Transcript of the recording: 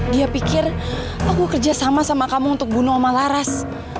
dia pikir aku kerja sama sama kamu untuk bunuh sama laras